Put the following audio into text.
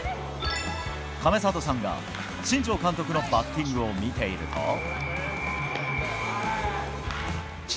亀里さんが新庄監督のバッティングを見ていると。